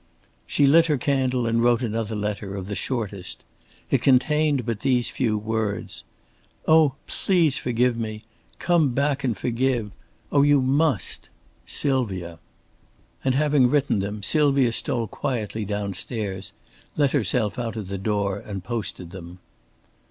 She lit her candle and wrote another letter, of the shortest. It contained but these few words: "Oh, please forgive me! Come back and forgive. Oh, you must! SYLVIA." And having written them, Sylvia stole quietly down stairs, let herself out at the door and posted them.